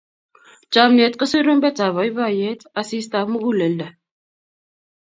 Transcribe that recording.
Chomnyet ko surumbetab boiboiyet, asistab muguleldo.